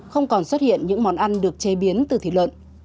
không còn xuất hiện những món ăn được chế biến từ thịt lợn